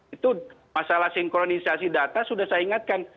itu masalah sinkronisasi data sudah saya ingatkan